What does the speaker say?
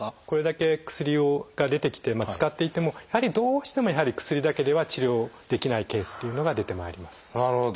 これだけ薬が出てきて使っていてもどうしてもやはり薬だけでは治療できないケースっていうのが出てまいります。